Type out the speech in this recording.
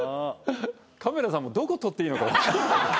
カメラさんもどこ撮っていいのか。